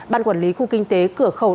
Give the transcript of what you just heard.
ban quản lý khu kinh tế cửa khẩu